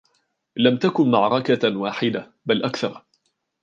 لم تكن معركةً واحدةً ، بل أكثر.